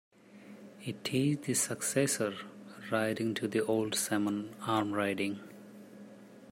It is the successor riding to the old Salmon Arm riding.